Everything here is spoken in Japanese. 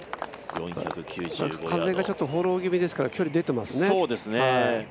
風がフォロー気味ですから距離出てますね。